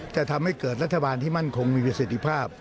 จะทำให้เกิดรัฐบาลที่มั่นคงมีประสิทธิภาพ